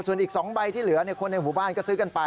ส่วนอีก๒ใบที่เหลือคนในหมู่บ้านก็ซื้อกันไป